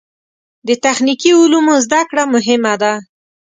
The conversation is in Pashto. د تخنیکي علومو زده کړه مهمه ده.